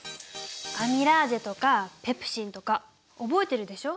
アミラーゼとかペプシンとか覚えてるでしょ？